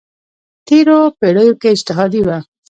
تېرو پېړیو کې اجتهادي وه.